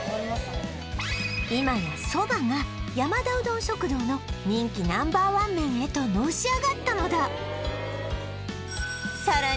今やそばが山田うどん食堂の人気Ｎｏ．１麺へとのし上がったのださらに